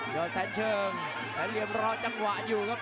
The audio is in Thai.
อดแสนเชิงแสนเหลี่ยมรอจังหวะอยู่ครับ